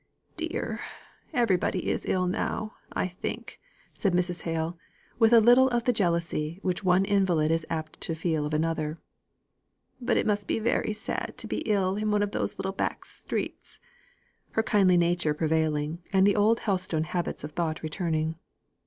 "Dear! Everybody is ill now, I think," said Mrs. Hale, with a little of the jealousy which one invalid is apt to feel of another. "But it must be very sad to be ill in one of those little back streets." (Her kindly nature prevailing, and the old Helstone habits of thought returning.)